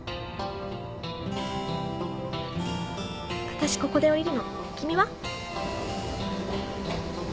私ここで降りるの君は？